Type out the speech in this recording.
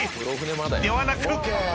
［ではなく］